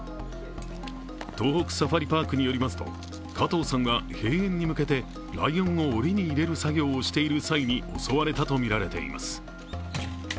東北サファリパークによりますと加藤さんは閉園に向けてライオンをおりに入れる作業をしている際に襲われたとみられています。